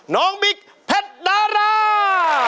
น้องบิ๊กแพทย์ดารา